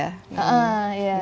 belum lagi kalau nyasar ya